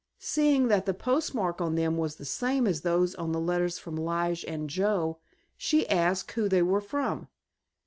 Seeing that the postmark on them was the same as those on the letters of Lige and Joe she asked who they were from.